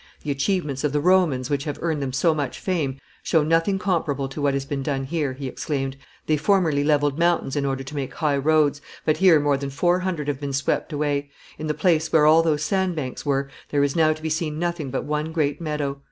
"The achievements of the Romans which have earned them so much fame show nothing comparable to what has been done here," he exclaimed; "they formerly levelled mountains in order to make highroads, but here more than four hundred have been swept away; in the place where all those sand banks were there is now to be seen nothing but one great meadow.